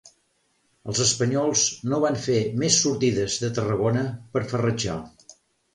Els espanyols no van fer més sortides de Tarragona per farratjar.